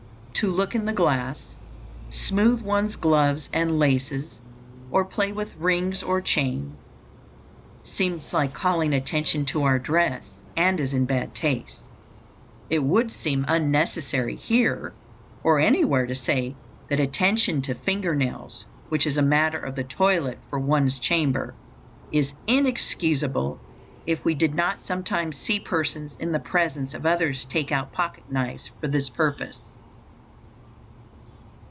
To look in the glass, smooth one's gloves and laces, or play with rings or chain, seems like calling attention to our dress, and is in bad taste. It would seem unnecessary here or anywhere to say that attention to finger nails, which is a matter of the toilet for one's chamber, is inexcusable, if we did not sometimes see persons in the presence of others take out pocket knives for this purpose.